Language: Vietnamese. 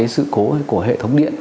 sự cố của hệ thống điện